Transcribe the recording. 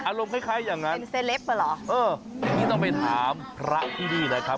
อารมณ์คล้ายอย่างนั้นเอออย่างนี้ต้องไปถามพระที่นี่นะครับ